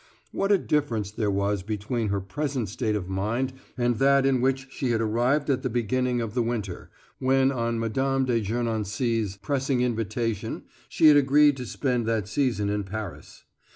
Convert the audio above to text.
What a difference there was between her present state of mind and that in which she had arrived at the beginning of the winter, when on Mme. de Gernancé's pressing invitation she had agreed to spend that season in Paris.